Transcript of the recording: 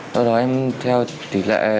sau đó mình phải pha chế với tỷ lệ như thế nào